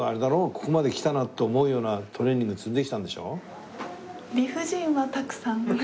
ここまで来たなと思うようなトレーニング積んできたんでしょ？